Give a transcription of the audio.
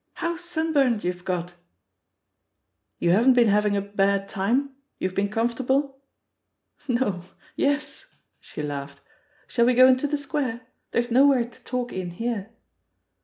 How sunburnt youVe got!'* "You haven't been having a bad time? youVe been comfortable?" "No — ^yes," she laughed. "Shall we go into the Square? — ^there's nowhere to talk in here."